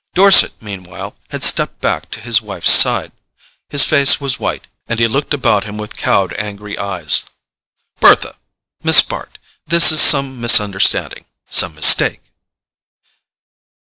Dorset, meanwhile, had stepped back to his wife's side. His face was white, and he looked about him with cowed angry eyes. "Bertha!—Miss Bart ... this is some misunderstanding ... some mistake...."